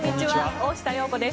大下容子です。